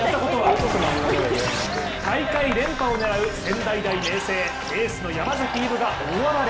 大会連覇を狙う、仙台大明成、エースの山崎一渉が大暴れ。